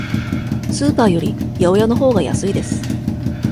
スーパーより八百屋のほうが安いです。